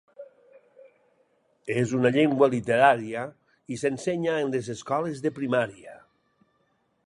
És una llengua literària i s'ensenya en les escoles de primària.